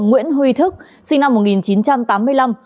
nguyễn huy thức sinh năm một nghìn chín trăm tám mươi năm